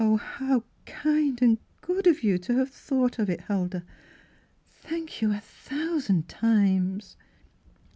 How kind and good of you to have thought of it, Huldah. Thank you a thousand times